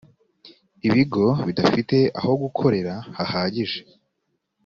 ibigo bidafite aho gukorera hahagije